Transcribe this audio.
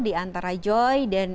di antara joy dan